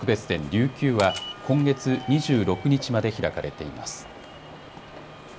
琉球は、今月２６日まで開かれています。